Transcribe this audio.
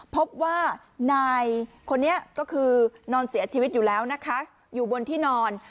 พบว่านายคนนี้ก็คือนอนเสียชีวิตอยู่แล้วนะคะอยู่บนที่นอน